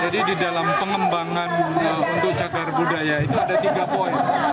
jadi di dalam pengembangan untuk cakar budaya itu ada tiga poin